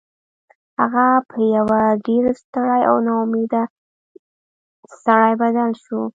هغه په یو ډیر ستړي او ناامیده سړي بدل شو